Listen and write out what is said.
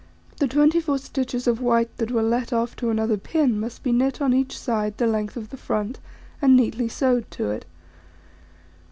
The 24 stitches of white that were let off to another pin must be knit on each side the length of the front, and neatly sewed to it.